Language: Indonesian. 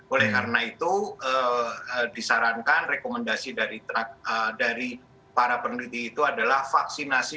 oleh karena itu disarankan rekomendasi dari para peneliti itu adalah vaksinasi